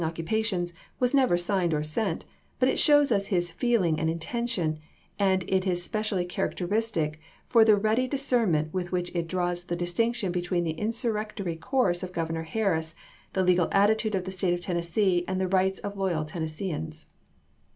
x. occupations, was never signed or sent; but it shows us his feeling and intention, and it is spe cially characteristic for the ready discernment with which it draws the distinction between the insur rectionary course of Governor Harris, the legal attitude of the State of Tennessee, and the rights of loyal Tenuesseeans.